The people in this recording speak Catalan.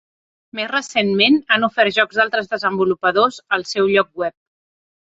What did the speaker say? Més recentment, han ofert jocs d'altres desenvolupadors al seu lloc web.